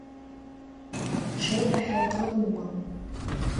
Ҽеира ҳәа крыҟоума?